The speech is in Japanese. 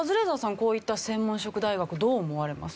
こういった専門職大学どう思われます？